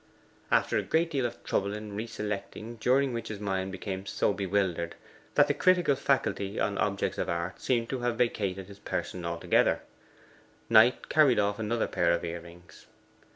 After a great deal of trouble in reselecting, during which his mind became so bewildered that the critical faculty on objects of art seemed to have vacated his person altogether, Knight carried off another pair of ear rings.